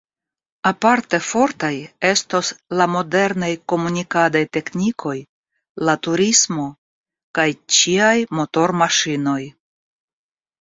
Aparte fortaj estos la modernaj komunikadaj teknikoj, la turismo kaj ĉiaj motormaŝinoj.